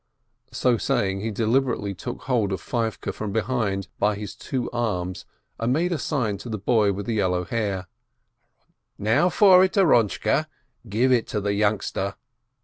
So saying, he deliberately took hold of Feivke from behind, by his two arms, and made a sign to the boy with yellow hair. "Now for it, Aarontche, give it to the youngster!"